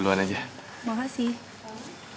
tuhan yang bersiap